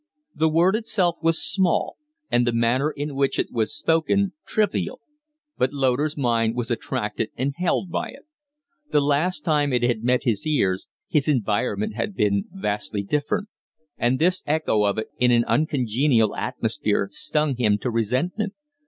The word itself was small and the manner in which it was spoken trivial, but Loder's mind was attracted and held by it. The last time it had met his ears his environment had been vastly different; and this echo of it in an uncongenial atmosphere stung him to resentment.